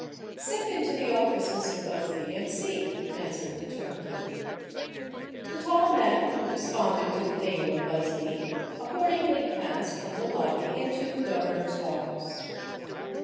"Step into the office, Mr. Busby, and see," answered the turnkey. The tall man, who responded to the name of Busby, accordingly passed from the lobby into the governor's office.